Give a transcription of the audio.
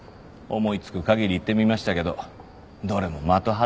思いつく限り言ってみましたけどどれも的外れでした。